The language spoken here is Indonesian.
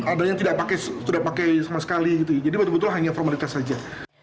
ada yang tidak pakai sama sekali jadi betul betul hanya formulitas saja